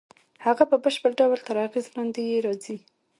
هغه په بشپړ ډول تر اغېز لاندې یې راځي